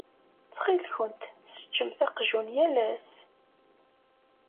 Ttxil-kent sseččemt aqjun yal ass.